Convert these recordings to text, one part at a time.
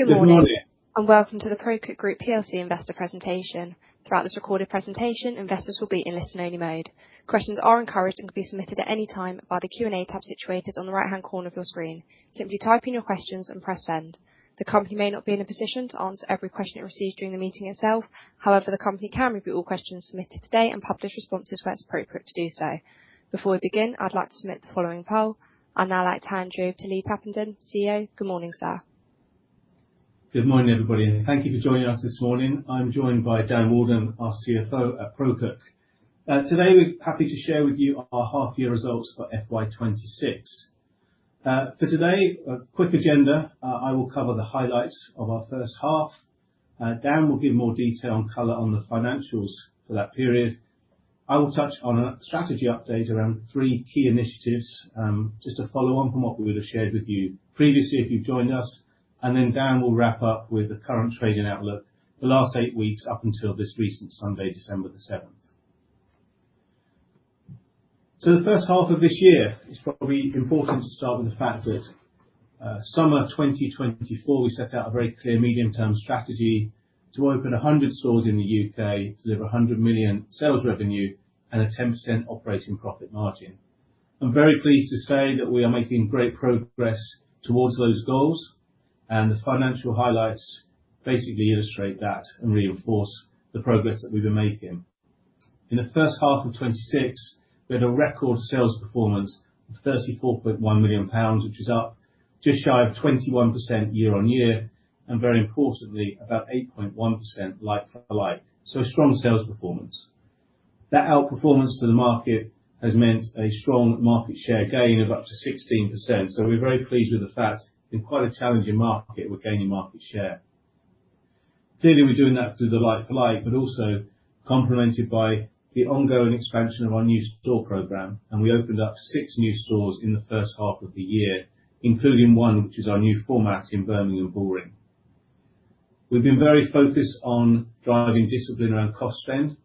Good morning. Good morning. Welcome to the ProCook Group PLC investor presentation. Throughout this recorded presentation, investors will be in listen only mode. Questions are encouraged and can be submitted at any time by the Q&A tab situated on the right-hand corner of your screen. Simply type in your questions and press send. The company may not be in a position to answer every question it receives during the meeting itself. However, the company can review all questions submitted today and publish responses where it's appropriate to do so. Before we begin, I'd like to submit the following poll. I'd now like to hand you over to Lee Tappenden, CEO. Good morning, sir. Good morning, everybody, thank you for joining us this morning. I'm joined by Dan Walden, our CFO at ProCook. Today we're happy to share with you our half year results for FY 2026. For today, a quick agenda. I will cover the highlights of our first half. Dan will give more detail and color on the financials for that period. I will touch on a strategy update around three key initiatives, just to follow on from what we would have shared with you previously, if you've joined us. Dan will wrap up with the current trading outlook, the last eight weeks up until this recent Sunday, December the 7th. The first half of this year, it's probably important to start with the fact that summer 2024, we set out a very clear medium term strategy to open 100 stores in the U.K., deliver 100 million sales revenue and a 10% operating profit margin. I'm very pleased to say that we are making great progress towards those goals, and the financial highlights basically illustrate that and reinforce the progress that we've been making. In the first half of 2026, we had a record sales performance of 34.1 million pounds, which is up just shy of 21% year-on-year, and very importantly, about 8.1% like-for-like, so a strong sales performance. That outperformance to the market has meant a strong market share gain of up to 16%. We're very pleased with the fact, in quite a challenging market, we're gaining market share. Clearly, we're doing that through the like-for-like, but also complemented by the ongoing expansion of our new store program. We opened up six new stores in the first half of the year, including one, which is our new format in Birmingham, Bullring. We've been very focused on driving discipline around cost spend.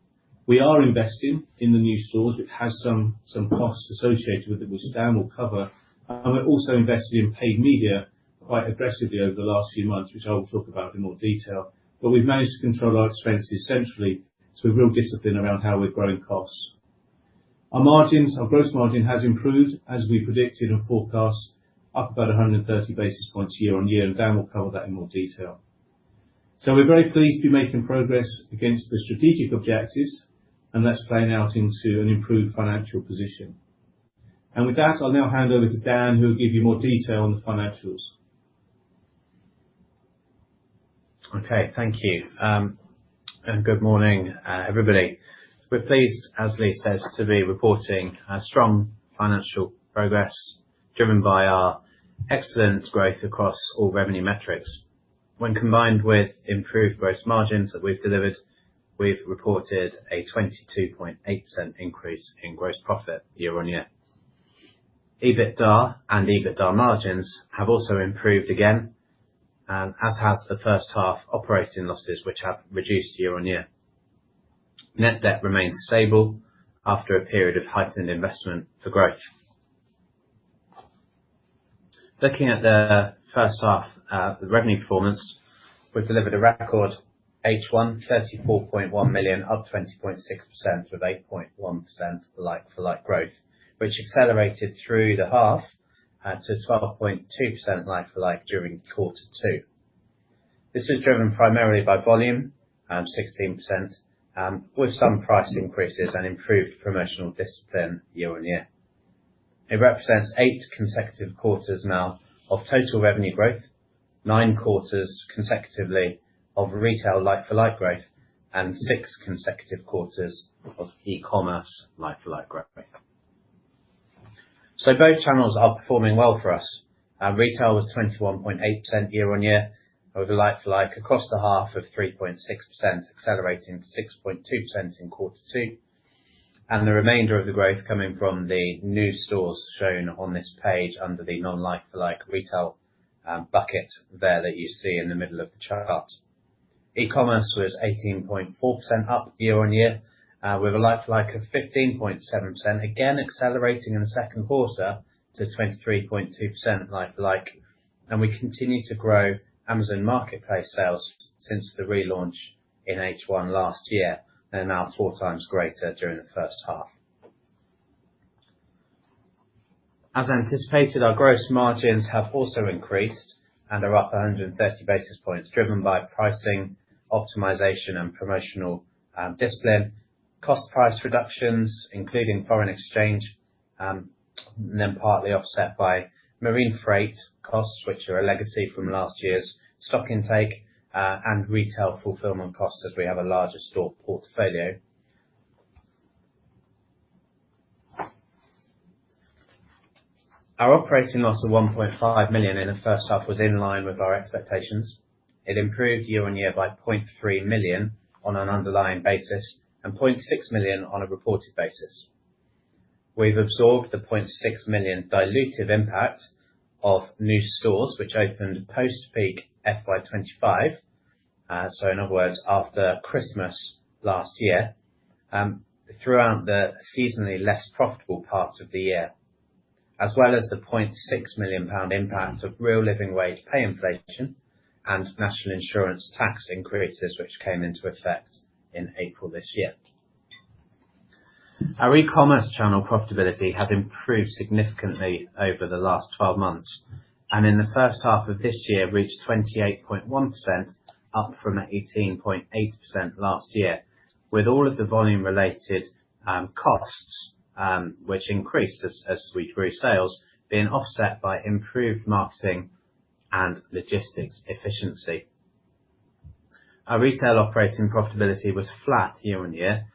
We are investing in the new stores, which has some costs associated with it, which Dan will cover. We're also investing in paid media quite aggressively over the last few months, which I will talk about in more detail. We've managed to control our expenses centrally, so we're real discipline around how we're growing costs. Our margins, our gross margin has improved as we predicted and forecast, up about 130 basis points year-on-year, and Dan will cover that in more detail. We're very pleased to be making progress against the strategic objectives and that's playing out into an improved financial position. With that, I'll now hand over to Dan, who will give you more detail on the financials. Okay. Thank you. Good morning, everybody. We're pleased, as Lee says, to be reporting a strong financial progress driven by our excellent growth across all revenue metrics. When combined with improved gross margins that we've delivered, we've reported a 22.8% increase in gross profit year-on-year. EBITDA and EBITDA margins have also improved again, as has the first half operating losses, which have reduced year-on-year. Net debt remains stable after a period of heightened investment for growth. Looking at the first half, the revenue performance, we've delivered a record H1, 34.1 million up 20.6% with 8.1% like-for-like growth, which accelerated through the half to 12.2% like-for-like during quarter two. This is driven primarily by volume, 16%, with some price increases and improved promotional discipline year-on-year. It represents 8 consecutive quarters now of total revenue growth, 9 quarters consecutively of retail like for like growth, and 6 consecutive quarters of e-commerce like for like growth. Both channels are performing well for us. Retail was 21.8% year-on-year with a like for like across the half of 3.6%, accelerating to 6.2% in quarter two, and the remainder of the growth coming from the new stores shown on this page under the non-like for like retail bucket there that you see in the middle of the chart. E-commerce was 18.4% up year-on-year, with a like for like of 15.7%, again accelerating in the second quarter to 23.2% like for like. We continue to grow Amazon Marketplace sales since the relaunch in H1 last year. They are now 4 times greater during the first half. As anticipated, our gross margins have also increased and are up 130 basis points driven by pricing, optimization and promotional discipline, cost price reductions including foreign exchange, then partly offset by marine freight costs, which are a legacy from last year's stock intake, and retail fulfillment costs as we have a larger store portfolio. Our operating loss of 1.5 million in the first half was in line with our expectations. It improved year-on-year by 0.3 million on an underlying basis and 0.6 million on a reported basis. We've absorbed the 0.6 million dilutive impact of new stores which opened post peak FY 2025, in other words, after Christmas last year, throughout the seasonally less profitable part of the year. As well as the £0.6 million impact of Real Living Wage pay inflation and National Insurance tax increases, which came into effect in April this year. Our e-commerce channel profitability has improved significantly over the last 12 months, and in the first half of this year reached 28.1%, up from 18.8% last year, with all of the volume related costs, which increased as we grew sales, being offset by improved marketing and logistics efficiency. Our retail operating profitability was flat year-on-year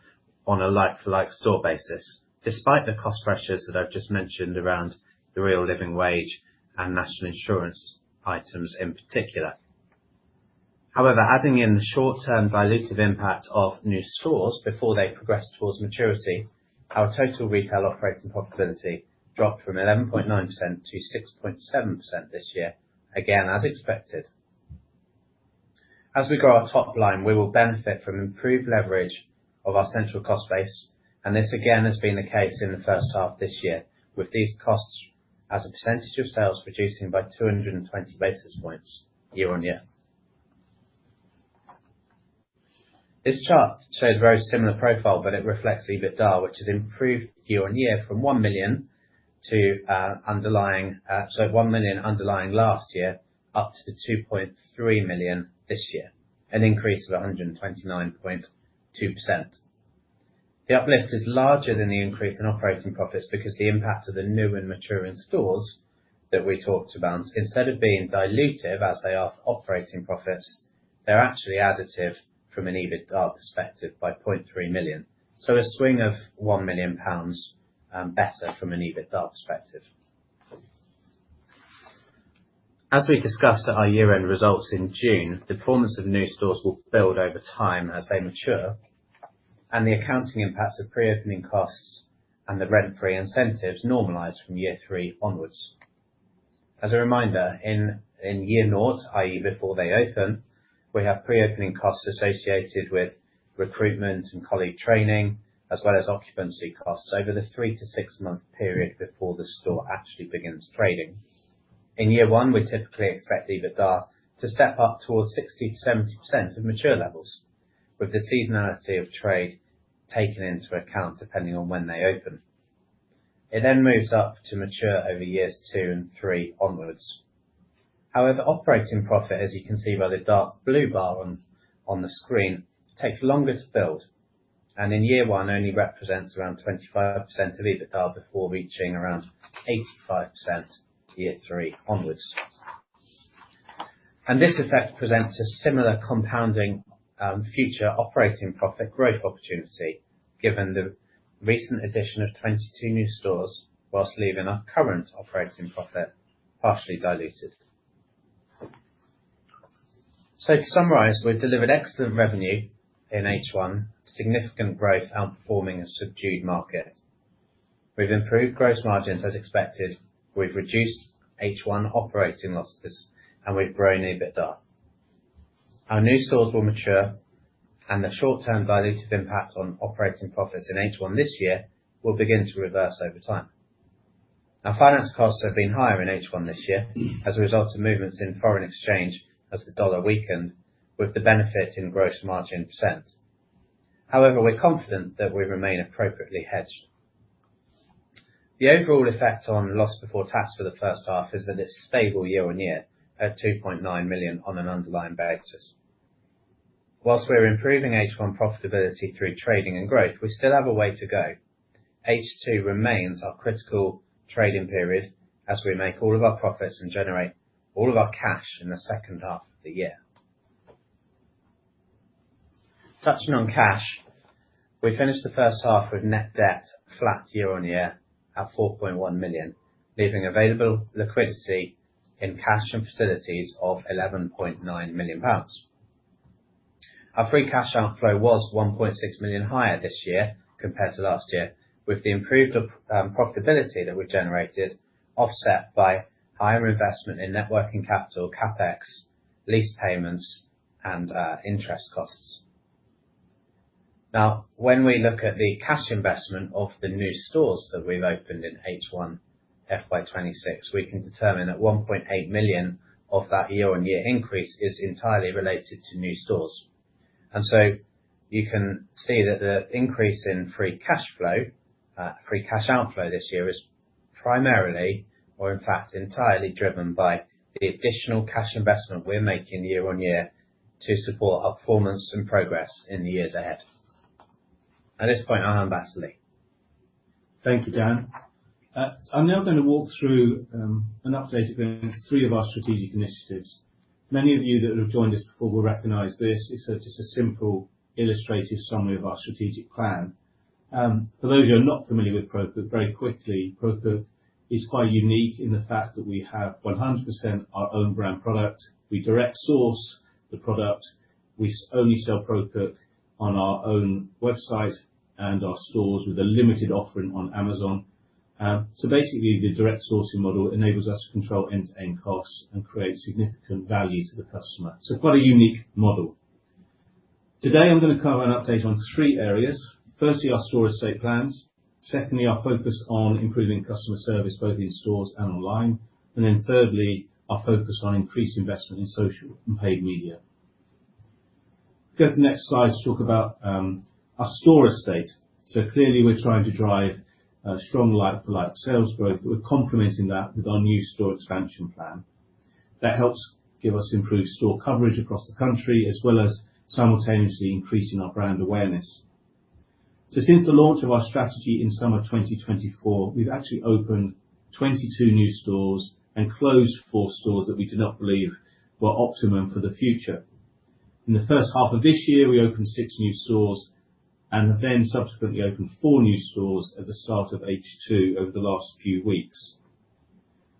on a like-for-like store basis, despite the cost pressures that I've just mentioned around the Real Living Wage and National Insurance items in particular. Adding in the short-term dilutive impact of new stores before they progress towards maturity, our total retail operating profitability dropped from 11.9% to 6.7% this year. Again, as expected. We grow our top line, we will benefit from improved leverage of our central cost base, and this again has been the case in the first half this year, with these costs as a percentage of sales reducing by 220 basis points year-on-year. This chart shows a very similar profile, it reflects EBITDA, which has improved year-on-year from 1 million underlying last year, up to 2.3 million this year, an increase of 129.2%. The uplift is larger than the increase in operating profits because the impact of the new and maturing stores that we talked about, instead of being dilutive as they are to operating profits, they're actually additive from an EBITDA perspective by 0.3 million. A swing of £1 million, better from an EBITDA perspective. As we discussed at our year-end results in June, the performance of new stores will build over time as they mature, and the accounting impacts of pre-opening costs and the rent-free incentives normalize from year three onwards. As a reminder, in year naught, i.e. before they open, we have pre-opening costs associated with recruitment and colleague training, as well as occupancy costs over the 3-6 month period before the store actually begins trading. In year one, we typically expect EBITDA to step up towards 60%-70% of mature levels, with the seasonality of trade taken into account depending on when they open. It moves up to mature over years two and three onwards. Operating profit, as you can see by the dark blue bar on the screen, takes longer to build, and in year one only represents around 25% of EBITDA before reaching around 85% year three onwards. This effect presents a similar compounding future operating profit growth opportunity given the recent addition of 22 new stores whilst leaving our current operating profit partially diluted. To summarize, we've delivered excellent revenue in H1, significant growth outperforming a subdued market. We've improved gross margins as expected. We've reduced H1 operating losses and we've grown EBITDA. Our new stores will mature, and the short-term dilutive impact on operating profits in H1 this year will begin to reverse over time. Our finance costs have been higher in H1 this year as a result of movements in foreign exchange as the U.S. dollar weakened with the benefit in gross margin percent. We are confident that we remain appropriately hedged. The overall effect on loss before tax for the first half is that it's stable year-on-year at 2.9 million on an underlying basis. Whilst we are improving H1 profitability through trading and growth, we still have a way to go. H2 remains our critical trading period as we make all of our profits and generate all of our cash in the second half of the year. Touching on cash, we finished the first half with net debt flat year-on-year at 4.1 million, leaving available liquidity in cash and facilities of 11.9 million pounds. Our free cash outflow was 1.6 million higher this year compared to last year with the improved profitability that we generated offset by higher investment in net working capital, CapEx, lease payments, and interest costs. When we look at the cash investment of the new stores that we've opened in H1 FY 2026, we can determine that 1.8 million of that year-on-year increase is entirely related to new stores. You can see that the increase in free cash outflow this year is primarily or in fact entirely driven by the additional cash investment we're making year-on-year to support our performance and progress in the years ahead. At this point, I hand over to Lee. Thank you, Dan Walden. I'm now going to walk through an update of three of our strategic initiatives. Many of you that have joined us before will recognize this. It's just a simple illustrative summary of our strategic plan. For those of you who are not familiar with ProCook, very quickly, ProCook is quite unique in the fact that we have 100% our own brand product. We direct source the product. We only sell ProCook on our own website and our stores with a limited offering on Amazon. Basically, the direct sourcing model enables us to control end-to-end costs and create significant value to the customer. Quite a unique model. Today, I'm going to cover an update on three areas. Our store estate plans. Our focus on improving customer service, both in stores and online. Thirdly, our focus on increased investment in social and paid media. Go to the next slide to talk about our store estate. Clearly, we're trying to drive strong like-for-like sales growth, but we're complementing that with our new store expansion plan. That helps give us improved store coverage across the country, as well as simultaneously increasing our brand awareness. Since the launch of our strategy in summer 2024, we've actually opened 22 new stores and closed four stores that we do not believe were optimum for the future. In the first half of this year, we opened six new stores and have subsequently opened four new stores at the start of H2 over the last few weeks.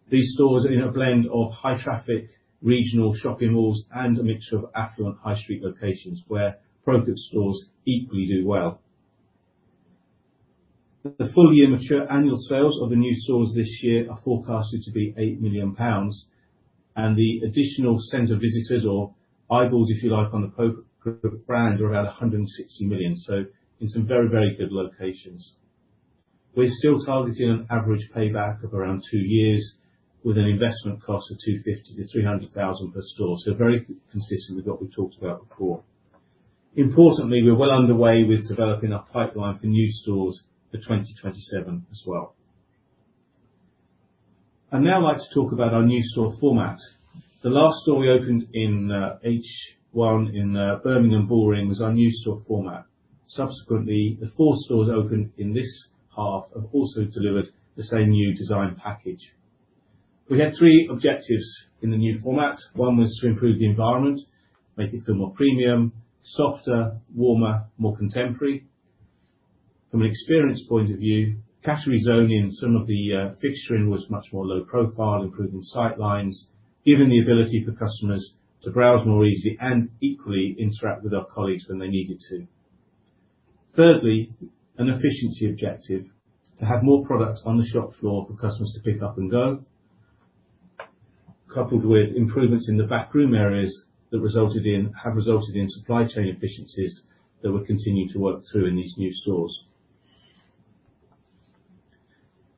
These stores are in a blend of high traffic, regional shopping malls, and a mixture of affluent high street locations where ProCook stores equally do well. The full year mature annual sales of the new stores this year are forecasted to be 8 million pounds, and the additional center visitors or eyeballs, if you like, on the ProCook brand are about 160 million. In some very, very good locations. We're still targeting an average payback of around two years with an investment cost of 250,000 to 300,000 per store. Very consistent with what we talked about before. Importantly, we are well underway with developing our pipeline for new stores for 2027 as well. I'd now like to talk about our new store format. The last store we opened in H1 in Birmingham, Bullring was our new store format. Subsequently, the four stores opened in this half have also delivered the same new design package. We had three objectives in the new format. One was to improve the environment, make it feel more premium, softer, warmer, more contemporary. From an experience point of view, category zoning, some of the fixturing was much more low profile, improving sight lines, giving the ability for customers to browse more easily and equally interact with our colleagues when they needed to. An efficiency objective to have more product on the shop floor for customers to pick up and go, coupled with improvements in the back room areas that have resulted in supply chain efficiencies that we're continuing to work through in these new stores.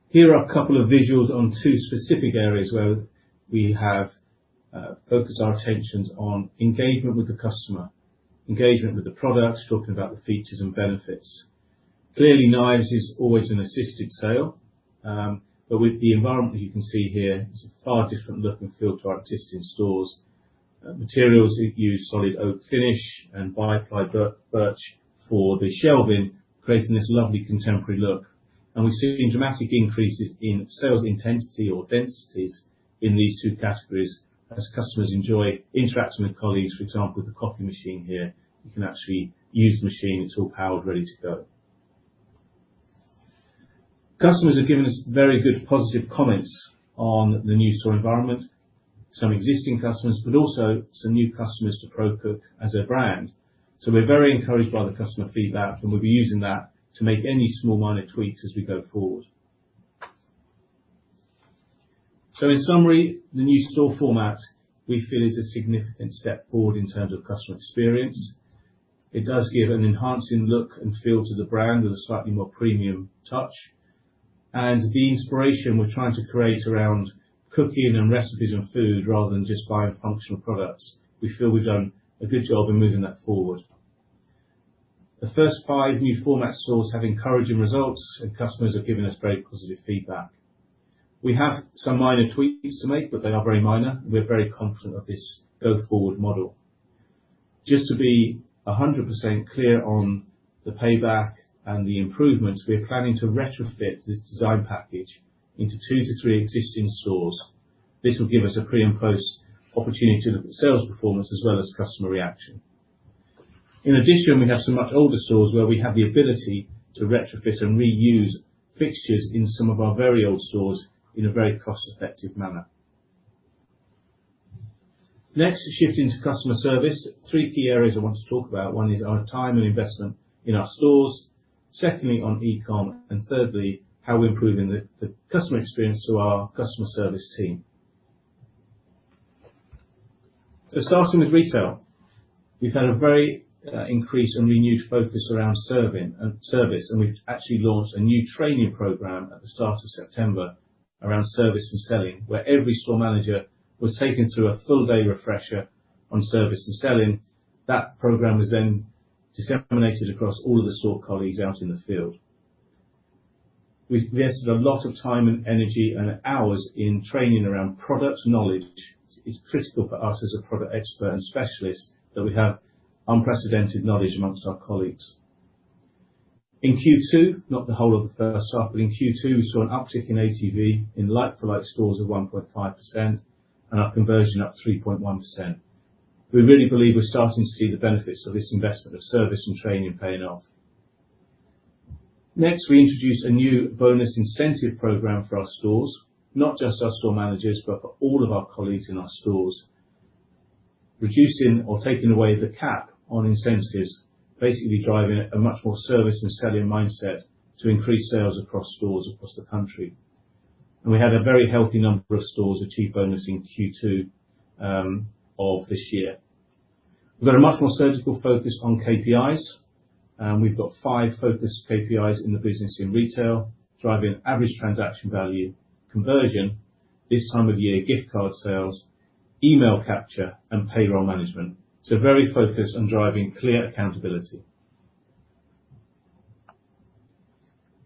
Here are a couple of visuals on two specific areas where we have focused our attentions on engagement with the customer, engagement with the products, talking about the features and benefits. Clearly, knives is always an assisted sale, but with the environment that you can see here, it's a far different look and feel to our existing stores. Materials use solid oak finish and birch ply for the shelving, creating this lovely contemporary look. We're seeing dramatic increases in sales intensity or densities in these two categories as customers enjoy interacting with colleagues. For example, the coffee machine here, you can actually use the machine. It's all powered, ready to go. Customers have given us very good positive comments on the new store environment, some existing customers, but also some new customers to ProCook as a brand. We're very encouraged by the customer feedback, and we'll be using that to make any small minor tweaks as we go forward. In summary, the new store format we feel is a significant step forward in terms of customer experience. It does give an enhancing look and feel to the brand with a slightly more premium touch. The inspiration we're trying to create around cooking and recipes and food, rather than just buying functional products. We feel we've done a good job in moving that forward. The first five new format stores have encouraging results, and customers have given us very positive feedback. We have some minor tweaks to make, but they are very minor. We are very confident of this go forward model. Just to be 100% clear on the payback and the improvements, we are planning to retrofit this design package into two to three existing stores. This will give us a pre and post opportunity to look at sales performance as well as customer reaction. In addition, we have some much older stores where we have the ability to retrofit and reuse fixtures in some of our very old stores in a very cost effective manner. Next, shifting to customer service. Three key areas I want to talk about. One is our time and investment in our stores. Secondly, on e-com. Thirdly, how we're improving the customer experience through our customer service team. Starting with retail, we've had a very increased and renewed focus around serving and service, and we've actually launched a new training program at the start of September around service and selling, where every store manager was taken through a full day refresher on service and selling. That program was then disseminated across all of the store colleagues out in the field. We invested a lot of time and energy and hours in training around product knowledge. It's critical for us as a product expert and specialist that we have unprecedented knowledge amongst our colleagues. In Q2, not the whole of the first half, but in Q2, we saw an uptick in ATV in like for like stores of 1.5% and our conversion up 3.1%. We really believe we're starting to see the benefits of this investment of service and training paying off. Next, we introduced a new bonus incentive program for our stores, not just our store managers, but for all of our colleagues in our stores, reducing or taking away the cap on incentives, basically driving a much more service and selling mindset to increase sales across stores across the country. We had a very healthy number of stores achieve bonus in Q2 of this year. We've got a much more surgical focus on KPIs. We've got five focused KPIs in the business in retail, driving average transaction value conversion, this time of year gift card sales, email capture, and payroll management. Very focused on driving clear accountability.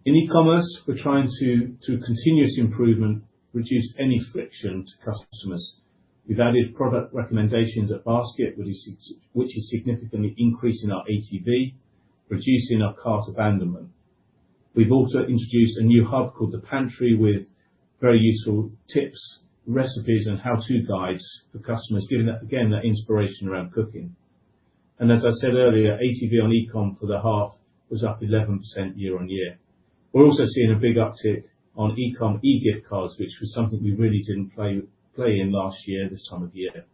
In e-commerce, we're trying to, through continuous improvement, reduce any friction to customers. We've added product recommendations at basket, which is significantly increasing our AOV, reducing our cart abandonment. We've also introduced a new hub called The Pantry, with very useful tips, recipes, and how-to guides for customers, giving, again, that inspiration around cooking. As I said earlier, AOV on e-com for the half was up 11% year-on-year. We're also seeing a big uptick on e-com e-gift cards, which was something we really didn't play in last year this time of year.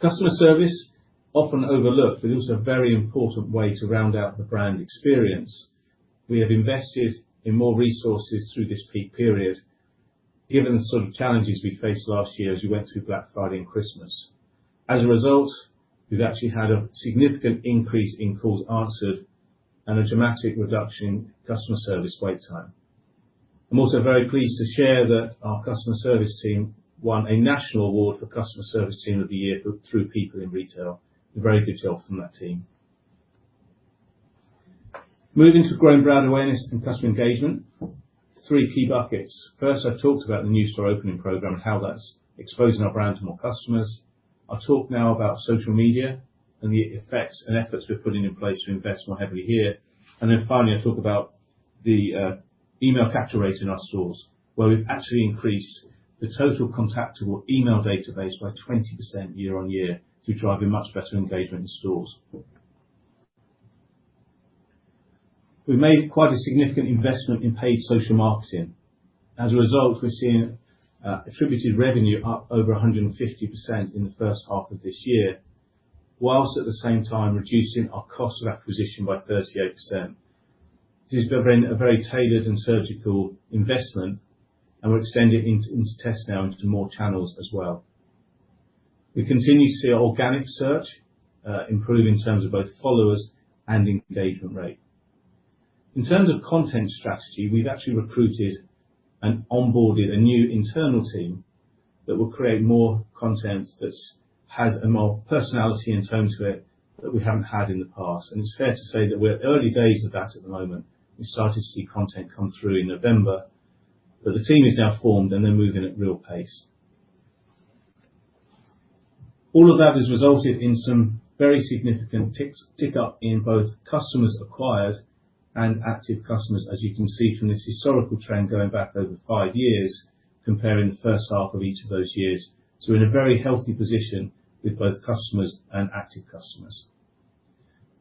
Customer service, often overlooked, but it is a very important way to round out the brand experience. We have invested in more resources through this peak period, given the sort of challenges we faced last year as we went through Black Friday and Christmas. As a result, we've actually had a significant increase in calls answered and a dramatic reduction in customer service wait time. I'm also very pleased to share that our customer service team won a national award for customer service team of the year through People in Retail. A very good job from that team. Moving to growing brand awareness and customer engagement, three key buckets. First, I talked about the new store opening program and how that's exposing our brand to more customers. I'll talk now about social media and the effects and efforts we're putting in place to invest more heavily here. Finally, I talk about the email capture rate in our stores, where we've actually increased the total contactable email database by 20% year-on-year to drive a much better engagement in stores. We made quite a significant investment in paid social marketing. As a result, we're seeing attributed revenue up over 150% in the first half of this year, whilst at the same time reducing our cost of acquisition by 38%. This has been a very tailored and surgical investment. We're extending tests now into more channels as well. We continue to see our organic search improve in terms of both followers and engagement rate. In terms of content strategy, we've actually recruited and onboarded a new internal team that will create more content that has a more personality and tone to it that we haven't had in the past. It's fair to say that we're at early days of that at the moment. We're starting to see content come through in November, but the team is now formed, and they're moving at real pace. All of that has resulted in some very significant tick up in both customers acquired and active customers, as you can see from this historical trend going back over five years, comparing the first half of each of those years. We're in a very healthy position with both customers and active customers.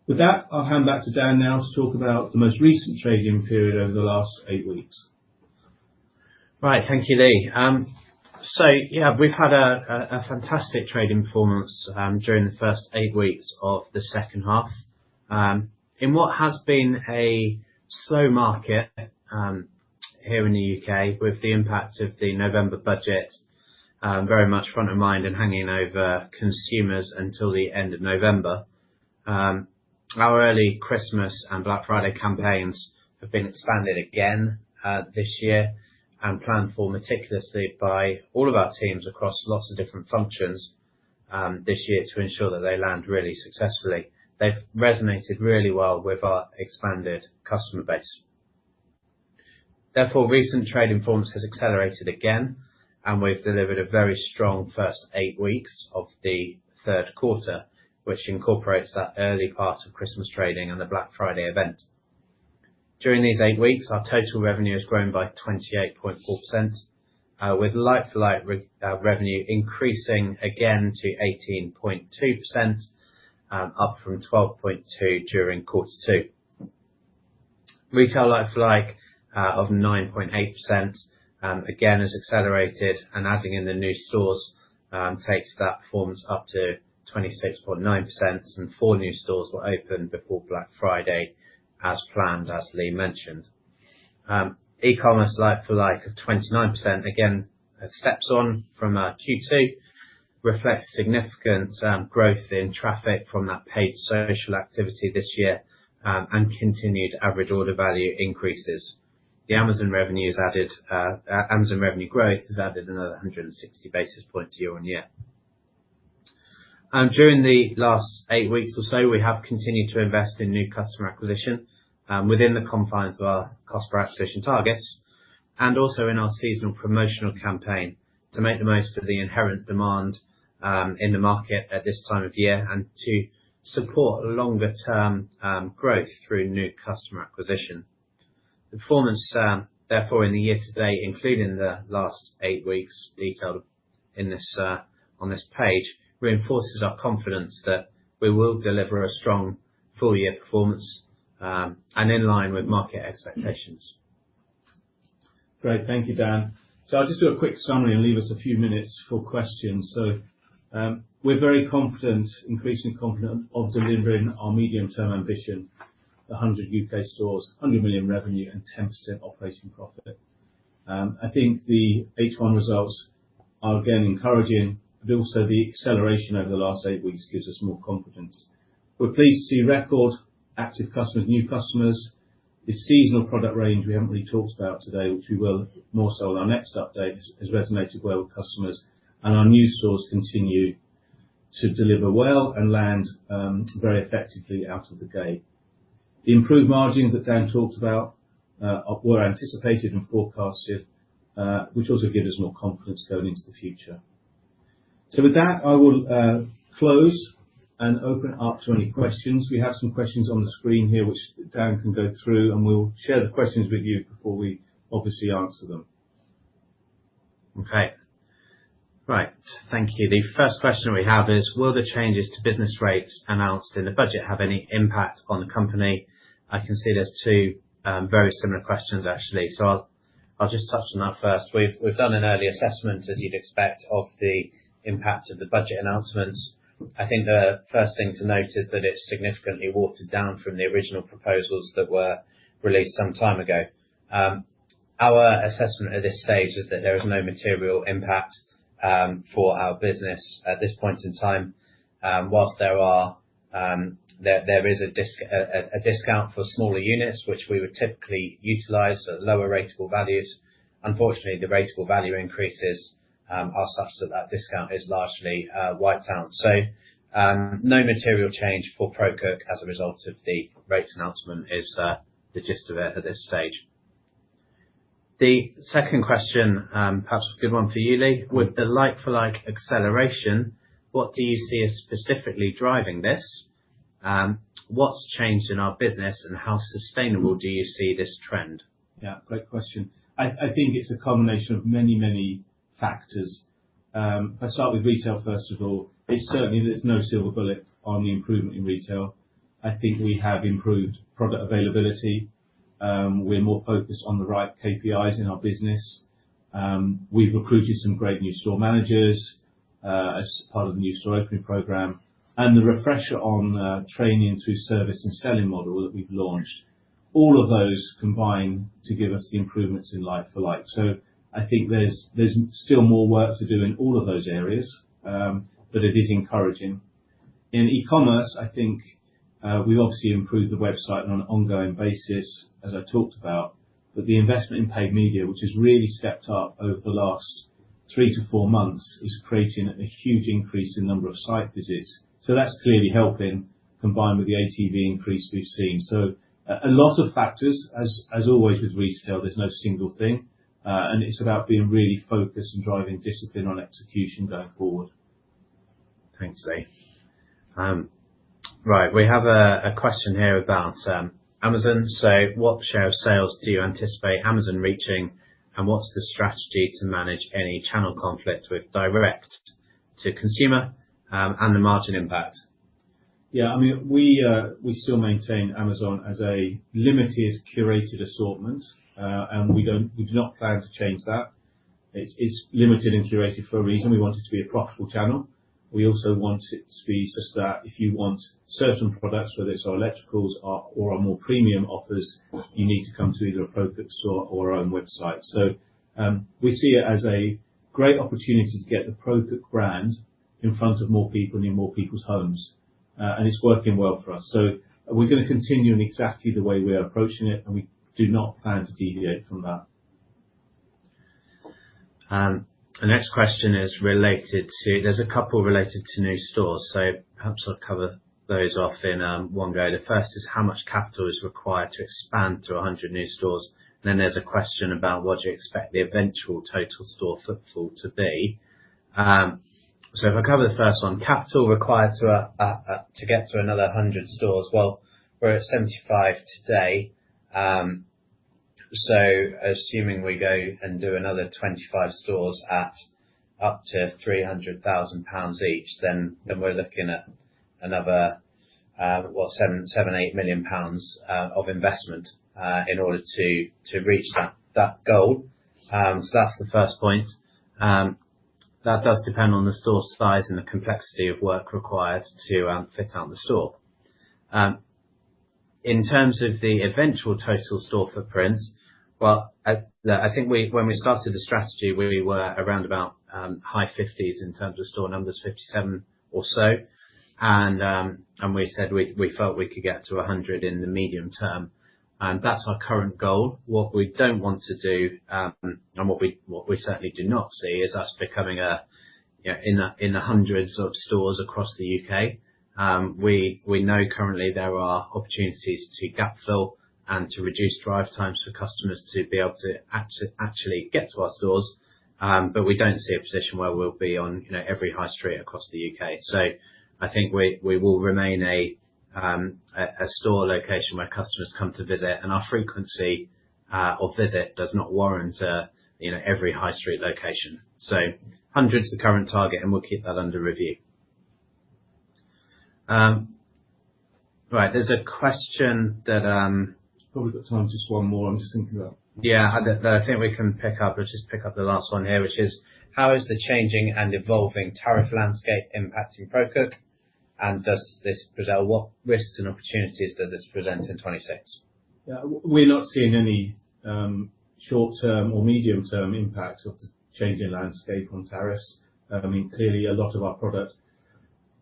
With that, I'll hand back to Dan now to talk about the most recent trading period over the last eight weeks. Right. Thank you, Lee. Yeah, we've had a fantastic trading performance during the first eight weeks of the second half. In what has been a slow market here in the U.K., with the impact of the November budget very much front of mind and hanging over consumers until the end of November, our early Christmas and Black Friday campaigns have been expanded again this year and planned for meticulously by all of our teams across lots of different functions this year to ensure that they land really successfully. They've resonated really well with our expanded customer base. Therefore, recent trading performance has accelerated again, and we've delivered a very strong first eight weeks of the third quarter, which incorporates that early part of Christmas trading and the Black Friday event. During these eight weeks, our total revenue has grown by 28.4%, with like-for-like revenue increasing again to 18.2%, up from 12.2% during quarter two. Retail like-for-like of 9.8%, again, has accelerated, and adding in the new stores takes that performance up to 26.9%, and four new stores were opened before Black Friday as planned, as Lee mentioned. E-commerce like-for-like of 29%, again, steps on from our Q2, reflects significant growth in traffic from that paid social activity this year, and continued average order value increases. The Amazon revenue growth has added another 160 basis points year-on-year. During the last eight weeks or so, we have continued to invest in new customer acquisition within the confines of our cost per acquisition targets, and also in our seasonal promotional campaign to make the most of the inherent demand in the market at this time of year and to support longer term growth through new customer acquisition. The performance, therefore, in the year-to-date, including the last eight weeks detailed on this page, reinforces our confidence that we will deliver a strong full year performance, and in line with market expectations. Great. Thank you, Dan. I'll just do a quick summary and leave us a few minutes for questions. We're very confident, increasingly confident of delivering our medium-term ambition, 100 U.K. stores, 100 million revenue and 10% operating profit. I think the H1 results are again encouraging, but also the acceleration over the last eight weeks gives us more confidence. We're pleased to see record active customers, new customers. The seasonal product range we haven't really talked about today, which we will more so at our next update, has resonated well with customers, and our new stores continue to deliver well and land very effectively out of the gate. The improved margins that Dan talked about were anticipated and forecasted, which also give us more confidence going into the future. With that, I will close and open it up to any questions. We have some questions on the screen here, which Dan can go through, and we'll share the questions with you before we obviously answer them. Okay. Right. Thank you. The first question we have is, will the changes to business rates announced in the budget have any impact on the company? I can see there's two very similar questions, actually. I'll just touch on that first. We've done an early assessment, as you'd expect of the impact of the budget announcements. I think the first thing to note is that it significantly watered down from the original proposals that were released some time ago. Our assessment at this stage is that there is no material impact for our business at this point in time. While there is a discount for smaller units, which we would typically utilize at lower rateable values. Unfortunately, the rateable value increases are such that that discount is largely wiped out. No material change for ProCook as a result of the rates announcement is the gist of it at this stage. The second question, perhaps a good one for you, Lee. With the like for like acceleration, what do you see as specifically driving this? What's changed in our business, and how sustainable do you see this trend? Yeah. Great question. I think it's a combination of many, many factors. If I start with retail, first of all, certainly there's no silver bullet on the improvement in retail. I think we have improved product availability. We're more focused on the right KPIs in our business. We've recruited some great new store managers as part of the new store opening program and the refresher on training through service and selling model that we've launched. All of those combine to give us the improvements in like for like. I think there's still more work to do in all of those areas, but it is encouraging. In e-commerce, I think we obviously improved the website on an ongoing basis, as I talked about, but the investment in paid media, which has really stepped up over the last three to four months, is creating a huge increase in number of site visits. That's clearly helping, combined with the ATV increase we've seen. A lot of factors, as always with retail, there's no single thing, and it's about being really focused and driving discipline on execution going forward. Thanks, Lee. Right. We have a question here about Amazon. What share of sales do you anticipate Amazon reaching? What's the strategy to manage any channel conflict with direct to consumer, and the margin impact? Yeah. We still maintain Amazon as a limited curated assortment, and we do not plan to change that. It's limited and curated for a reason. We want it to be a profitable channel. We also want it to be such that if you want certain products, whether it's our electricals or our more premium offers, you need to come to either a ProCook store or our own website. We see it as a great opportunity to get the ProCook brand in front of more people and in more people's homes. It's working well for us. We're going to continue in exactly the way we are approaching it, and we do not plan to deviate from that. The next question, there's a couple related to new stores. Perhaps I'll cover those off in one go. The first is how much capital is required to expand to 100 new stores? What do you expect the eventual total store footprint to be? If I cover the first one, capital required to get to another 100 stores. Well, we're at 75 today, so assuming we go and do another 25 stores at up to 300,000 pounds each, then we're looking at another, what, 7 million pounds, GBP 8 million of investment in order to reach that goal. That's the first point. That does depend on the store size and the complexity of work required to fit out the store. In terms of the eventual total store footprint, I think when we started the strategy, we were around about high fifties in terms of store numbers, 57 or so, and we said we felt we could get to 100 in the medium term, and that's our current goal. What we don't want to do, and what we certainly do not see, is us becoming in the hundreds of stores across the U.K. We know currently there are opportunities to gap fill and to reduce drive times for customers to be able to actually get to our stores. We don't see a position where we'll be on every high street across the U.K. I think we will remain a store location where customers come to visit, and our frequency of visit does not warrant every high street location. 100 is the current target, and we'll keep that under review. Right. There's a question that. We've probably got time for just one more. I'm just thinking that. I think we can pick up. Let's just pick up the last one here, which is how is the changing and evolving tariff landscape impacting ProCook, and what risks and opportunities does this present in FY 2026? We're not seeing any short term or medium term impact of the changing landscape on tariffs. Clearly a lot of our product,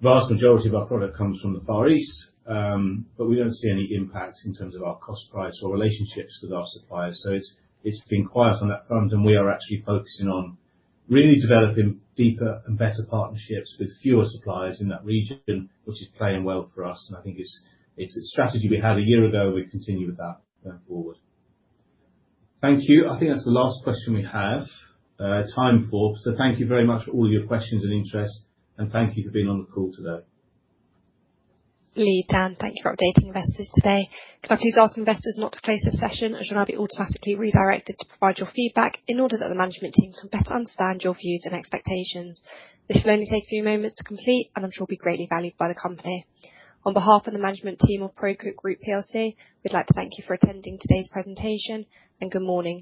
vast majority of our product comes from the Far East, but we don't see any impact in terms of our cost price or relationships with our suppliers. It's been quiet on that front and we are actually focusing on really developing deeper and better partnerships with fewer suppliers in that region, which is playing well for us. I think it's a strategy we had a year ago, and we continue with that going forward. Thank you. I think that's the last question we have time for. Thank you very much for all your questions and interest, and thank you for being on the call today. Lee, Dan, thank you for updating investors today. Can I please ask investors not to close this session, as you'll now be automatically redirected to provide your feedback in order that the management team can better understand your views and expectations. This will only take a few moments to complete and I'm sure will be greatly valued by the company. On behalf of the management team of ProCook Group PLC, we'd like to thank you for attending today's presentation and good morning